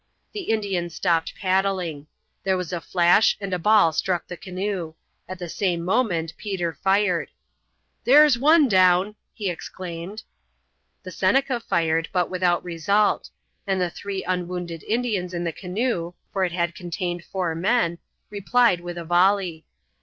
The Indians stopped paddling. There was a flash and a ball struck the canoe. At the same moment Peter fired. "There's one down!" he exclaimed. The Seneca fired, but without result; and the three unwounded Indians in the canoe for it had contained four men replied with a volley.